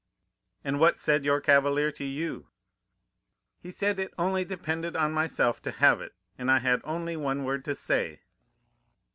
"'And what said your cavalier to you?' "'He said it only depended on myself to have it, and I had only one word to say.